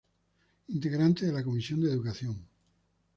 Integrante de la comisión de Educación.